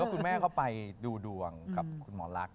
คุณแม่เขาไปดูดวงกับคุณหมอลักษณ